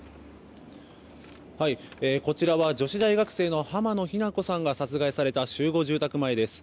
こちらは女子大学生の浜野日菜子さんが殺害された集合住宅前です。